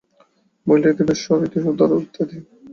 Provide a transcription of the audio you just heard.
মহিলাটি বেশ সহৃদয়, উদার ইত্যাদি।